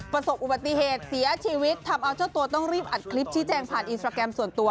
ประสบอุบัติเหตุเสียชีวิตทำเอาเจ้าตัวต้องรีบอัดคลิปชี้แจงผ่านอินสตราแกรมส่วนตัว